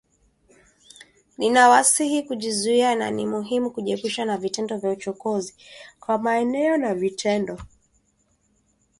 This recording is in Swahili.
Ninawasihi kujizuia na ni muhimu kujiepusha na vitendo vya uchokozi, kwa maneno na vitendo